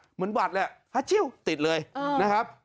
เหมือนหวัดแหละติดเลยนะครับ